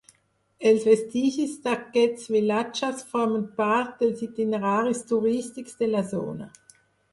Els vestigis d'aquests vilatges formen part dels itineraris turístics de la zona.